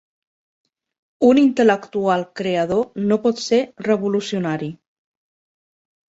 Un intel·lectual creador no pot ser revolucionari